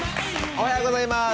おはようございます。